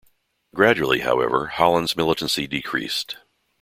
Gradually, however, Holland's militancy decreased.